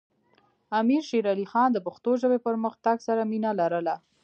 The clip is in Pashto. امیر شیر علی خان د پښتو ژبې پرمختګ سره مینه لرله.